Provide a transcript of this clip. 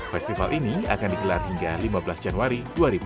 festival ini akan digelar hingga lima belas januari dua ribu dua puluh